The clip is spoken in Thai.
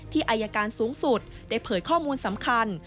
อายการสูงสุดได้เผยข้อมูลสำคัญ